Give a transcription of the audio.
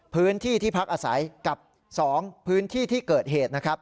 พื้นที่ที่พักอาศัยกับ๒พื้นที่ที่เกิดเหตุนะครับ